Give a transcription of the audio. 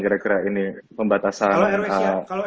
kira kira ini pembatasan kalau